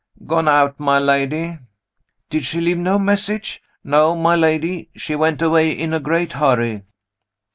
"Gone out, my lady." "Did she leave no message?" "No, my lady. She went away in a great hurry."